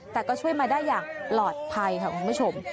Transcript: แต่ก็ช่วยมาได้อย่างปลอดภัยค่ะคุณผู้ชม